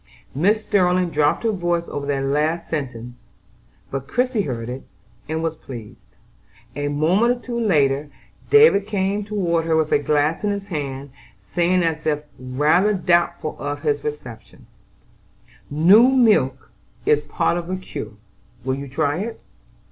Mrs. Sterling dropped her voice over that last sentence; but Christie heard it, and was pleased. A moment or two later, David came toward her with a glass in his hand, saying as if rather doubtful of his reception: "New milk is part of the cure: will you try it?"